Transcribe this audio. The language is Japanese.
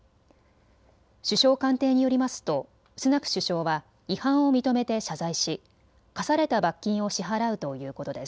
首相官邸によりますとスナク首相は違反を認めて謝罪し科された罰金を支払うということです。